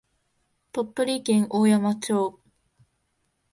鳥取県大山町